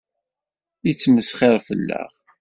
Yettmesxiṛ fell-aɣ.